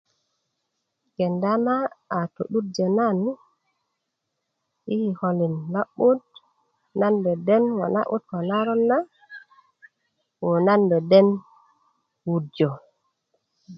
kenda na to'durjö nan yi kikolin lo'but nan deden ŋo' na'but ko naron na woo nan deden wurjö